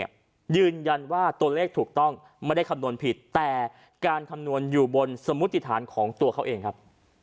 ยืนยันว่าตัวเลขถูกต้องไม่ได้คำนวณผิดแต่การคำนวณอยู่บนสมุติฐานของตัวเขาเองครับ